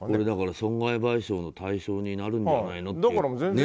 損害賠償の対象になるんじゃないのとね。